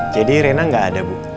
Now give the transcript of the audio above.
jadi rena gak ada bu